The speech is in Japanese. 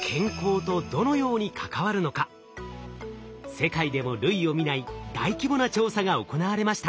世界でも類を見ない大規模な調査が行われました。